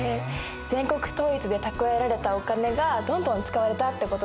全国統一で蓄えられたお金がどんどん使われたってことだね。